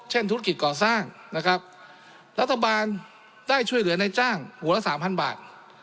ธุรกิจก่อสร้างนะครับรัฐบาลได้ช่วยเหลือในจ้างหัวละสามพันบาท